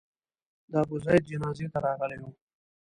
د ابوزید جنازې ته راغلي وو.